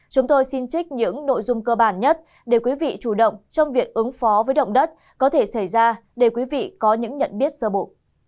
chúng tôi xin trích những nội dung cơ bản nhất để quý vị chủ động trong việc ứng phó với động đất có thể xảy ra để quý vị có những nhận biết sơ bộ